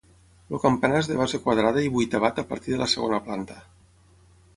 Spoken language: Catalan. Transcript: El campanar és de base quadrada i vuitavat a partir de la segona planta.